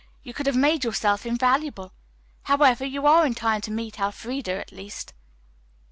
You could have made yourself invaluable. However, you are in time to meet Elfreda, at least."